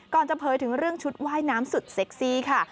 จะเผยถึงเรื่องชุดว่ายน้ำสุดเซ็กซี่ค่ะ